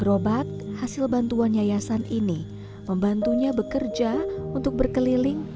gerobak hasil bantuan yayasan ini membantunya bekerja untuk berkeliling